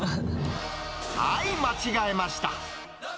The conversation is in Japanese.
はい、間違えました。